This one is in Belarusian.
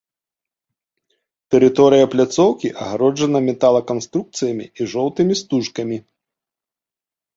Тэрыторыя пляцоўкі агароджана металаканструкцыямі і жоўтымі стужкамі.